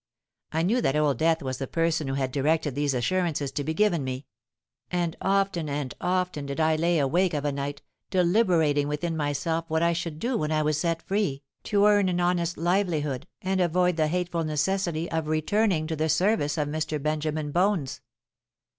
I knew that Old Death was the person who had directed these assurances to be given me; and often and often did I lay awake of a night, deliberating within myself what I should do when I was set free, to earn an honest livelihood and avoid the hateful necessity of returning to the service of Mr. Benjamin Bones.